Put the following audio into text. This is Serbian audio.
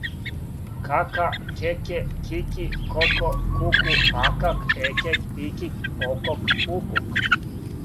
кака кеке кики коко куку акак екек икик окок укук